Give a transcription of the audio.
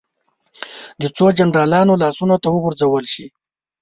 د څو جنرالانو لاسونو ته وغورځول شي.